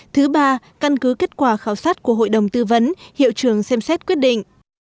thứ ba căn cứ kết quả khảo sát của hội đồng tư vấn hiệu trưởng xem xét quyết định